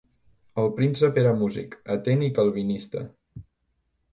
El príncep era músic, atent i calvinista.